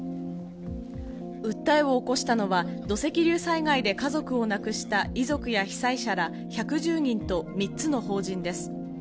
訴えを起こしたのは、土石流災害で家族を亡くした遺族や被災者ら１１０人と３つの法人です。